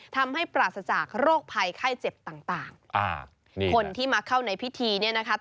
ทำให้ปราศจากโรคภัยไข้เจ็บต่างคนที่มาเข้าในพิธีเนี่ยนะคะ